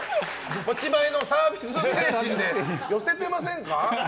持ち前のサービス精神で寄せてませんか？